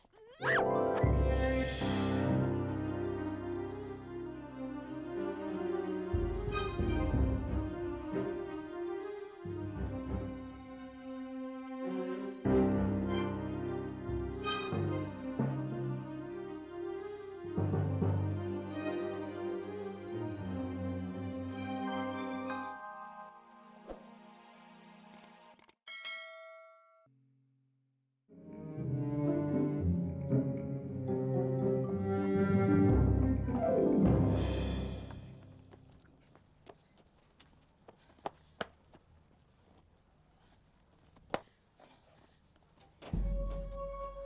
sampai jumpa di video selanjutnya